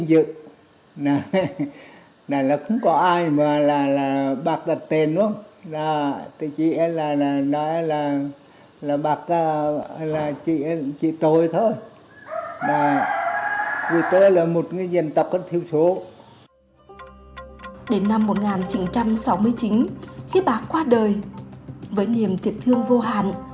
đến năm một nghìn chín trăm sáu mươi chín khi bác qua đời với niềm tiệt thương vô hạn